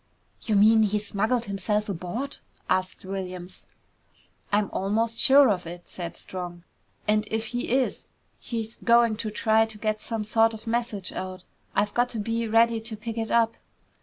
"You mean he smuggled himself aboard?" asked Williams. "I'm almost sure of it!" said Strong. "And if he is, he's going to try to get some sort of message out. I've got to be ready to pick it up."